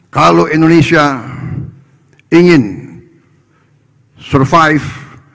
kalau indonesia ingin survive